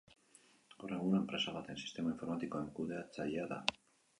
Gaur egun enpresa baten sistema informatikoen kudeatzailea da.